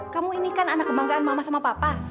kamu ini kan anak kebanggaan mama sama papa